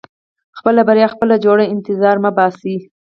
• خپله بریا خپله جوړوه، انتظار مه باسې.